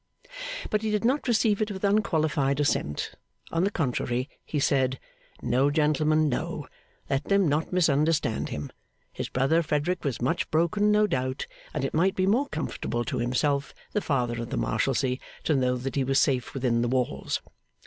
But he did not receive it with unqualified assent; on the contrary, he said, No, gentlemen, no; let them not misunderstand him. His brother Frederick was much broken, no doubt, and it might be more comfortable to himself (the Father of the Marshalsea) to know that he was safe within the walls.